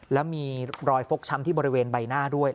แล้วมีรอยฟกช้ำที่บริเวณใบหน้าด้วย